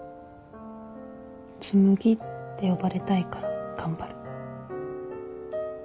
紬って呼ばれたいから頑張る。